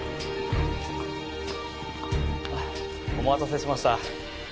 お待たせしました。